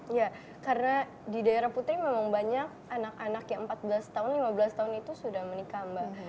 ya karena di daerah putri memang banyak anak anak yang empat belas tahun lima belas tahun itu sudah menikah mbak